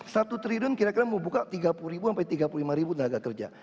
satu triliun kira kira membuka tiga puluh sampai tiga puluh lima ribu tenaga kerja